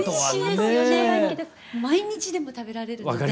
毎日でも食べられるので。